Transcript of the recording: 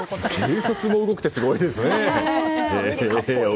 警察も動くってすごいですね。